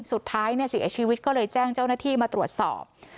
สุดท้ายเสียชีวิตก็เลยแจ้งเจ้าหน้าที่มาตรวจสอบ